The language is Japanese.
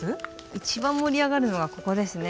一番盛り上がるのはここですね。